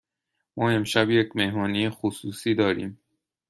ما امشب یک مهمانی خصوصی داریم.